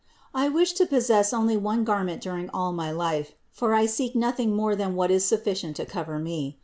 I wish to possess only one garment during all my life, for I seek nothing more than what is sufficient to cover Me.